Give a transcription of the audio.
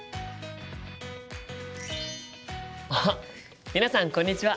あっ皆さんこんにちは！